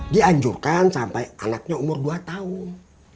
dianjurkan sampai anaknya umur dua tahun